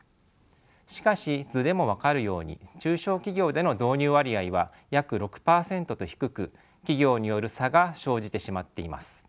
しかし図でも分かるように中小企業での導入割合は約６％と低く企業による差が生じてしまっています。